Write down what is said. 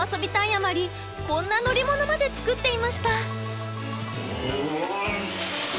あまりこんな乗り物まで作っていました。